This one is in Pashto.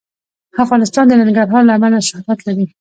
افغانستان د ننګرهار له امله شهرت لري.